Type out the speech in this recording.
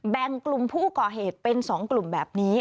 แบ่งกลุ่มผู้ก่อเหตุเป็น๒กลุ่มแบบนี้